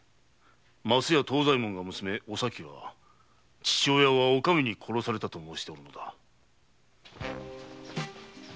升屋藤左衛門が娘のお咲は父親はお上に殺されたと申しておるのだ。